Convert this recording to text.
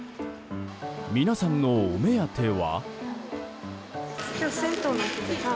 皆さんのお目当ては？